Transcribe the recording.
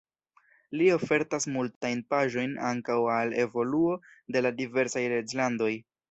Li ofertas multajn paĝojn ankaŭ al evoluo de la diversaj reĝlandoj.